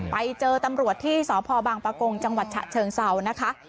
ไปเจอตำรวจที่สพบางประกงจังหวัดฉะเชิงเซานะคะ